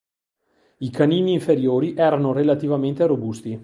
I canini inferiori erano relativamente robusti.